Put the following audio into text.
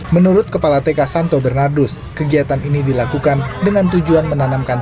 menurut kepala tk santo bernardus kegiatan ini dilakukan dengan tujuan menanamkan